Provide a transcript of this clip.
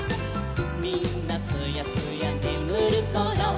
「みんなすやすやねむるころ」